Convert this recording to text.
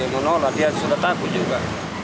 menolak dia sudah takut juga